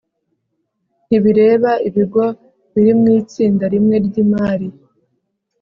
ntibireba ibigo biri mu itsinda rimwe ry imari